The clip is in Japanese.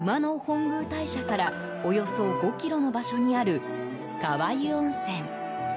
熊野本宮大社からおよそ５ｋｍの場所にある川湯温泉。